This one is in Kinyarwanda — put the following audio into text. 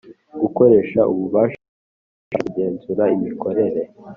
gukoresha ububasha ifite bwo kugenzura imikorere